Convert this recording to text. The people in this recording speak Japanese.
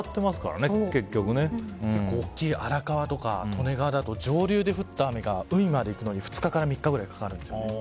結構大きい荒川とか利根川だと上流で降った雨が海まで行くのに２日から３日くらいかかるんですね。